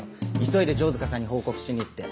急いで城塚さんに報告しに行って。